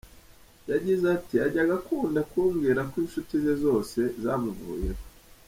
Yagize ati “Yajyaga akunda kumbwira ko inshuti ze zose zamuvuyeho.